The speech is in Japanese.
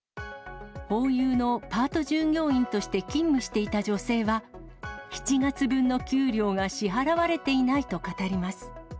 ホーユーのパート従業員として勤務していた女性は、７月分の給料が支払われていないと語ります。